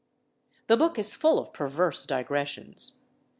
The book is full of perverse digressions.